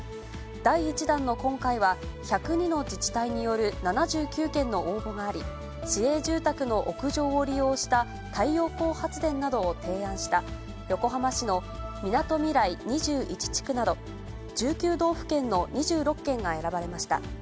第１弾の今回は、１０２の自治体による７９件の応募があり、市営住宅の屋上を利用した太陽光発電などを提案した横浜市のみなとみらい２１地区など、１９道府県の２６件が選ばれました。